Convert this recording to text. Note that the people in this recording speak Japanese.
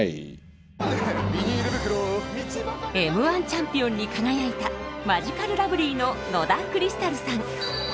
Ｍ−１チャンピオンに輝いたマヂカルラブリーの野田クリスタルさん。